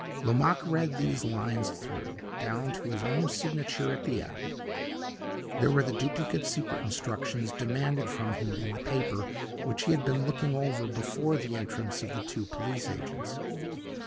Lomaque read these lines through, down to his own signature at the end. They were the duplicate Secret Instructions demanded from him in the paper which he had been looking over before the entrance of the two police agents.